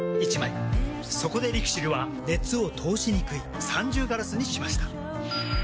そこでＬＩＸＩＬは熱を通しにくい三重ガラスにしました。